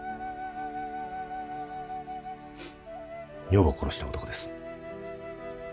女房を殺した男です。